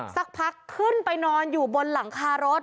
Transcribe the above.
สักพักขึ้นไปนอนอยู่บนหลังคารถ